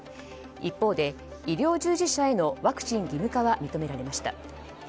一方で医療従事者へのワクチン義務化は認められました。